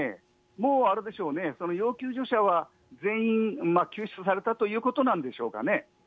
もうあれでしょうね、要救助者は全員救出されたということなんでしょうかね。